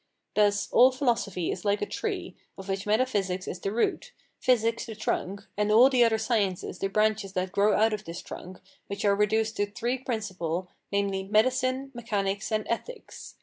Thus, all Philosophy is like a tree, of which Metaphysics is the root, Physics the trunk, and all the other sciences the branches that grow out of this trunk, which are reduced to three principal, namely, Medicine, Mechanics, and Ethics.